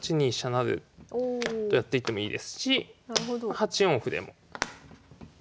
成とやっていってもいいですし８四歩でも。